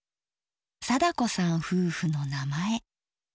貞子さん夫婦の名前。